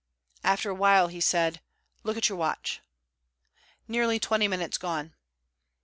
After a while, he said: 'Look at your watch.' 'Nearly twenty minutes gone.'